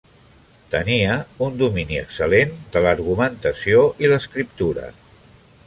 Tenia un domini excel·lent de l'argumentació i l'escriptura.